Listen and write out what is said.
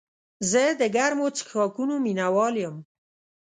زه د ګرمو څښاکونو مینه وال یم.